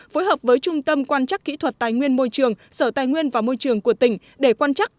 phối hợp với trung tâm quan chắc kỹ thuật tài nguyên môi trường sở tài nguyên và môi trường của tỉnh để quan chắc